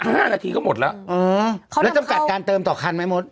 ห้านาทีก็หมดแล้วอ๋อแล้วจำกัดการเติมต่อคันไหมมด